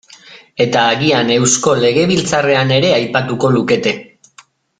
Eta agian Eusko Legebiltzarrean ere aipatuko lukete.